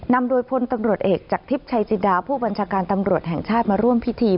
นำโดยพลตำรวจเอกจากทิพย์ชัยจินดาผู้บัญชาการตำรวจแห่งชาติมาร่วมพิธี